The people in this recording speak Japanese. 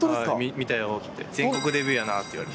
見たよって、全国デビューやなって言われて。